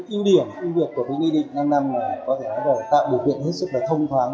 yêu điểm của bệnh viện nghị định năm năm là có thể nói là tạo điều kiện hết sức thông thoáng